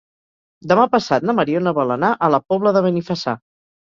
Demà passat na Mariona vol anar a la Pobla de Benifassà.